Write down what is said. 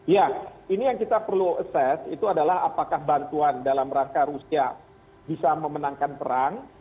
ya ini yang kita perlu assess itu adalah apakah bantuan dalam rangka rusia bisa memenangkan perang